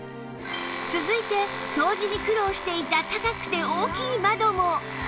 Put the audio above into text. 続いて掃除に苦労していた高くて大きい窓も